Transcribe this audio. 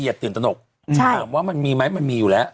ตื่นตนกถามว่ามันมีไหมมันมีอยู่แล้ว